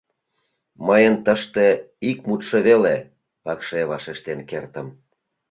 — Мыйын тыште ик мутшо веле, — пыкше вашештен кертым.